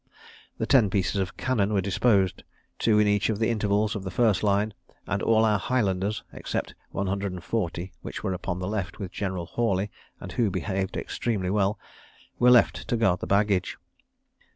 The ten pieces of cannon were disposed, two in each of the intervals of the first line; and all our Highlanders (except 140, which were upon the left with General Hawley, and who behaved extremely well) were left to guard the baggage.